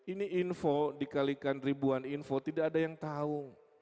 ini info dikalikan ribuan info tidak ada yang tahu